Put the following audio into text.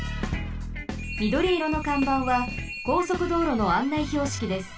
みどりいろのかんばんはこうそくどうろのあんないひょうしきです。